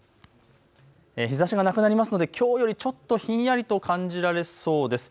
日ざしがなくなりますのできょうよりひんやりと感じられそうです。